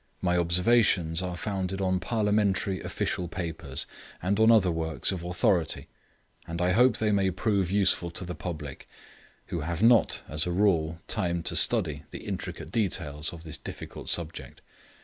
My observations are founded on Parliamentary official papers, and on other works of authority; and I hope they may prove useful to the public, who have not, as a rule time to study the intricate details of this difficult subject.